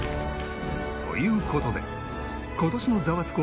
という事で今年のザワつく！